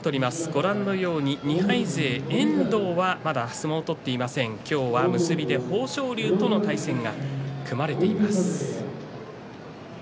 ご覧のように２敗勢の遠藤はまだ相撲を取っていません今日は結びで豊昇龍との対戦が組まれています。